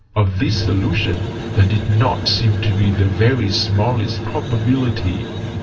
Of this solution there did not seem to be the very smallest probability.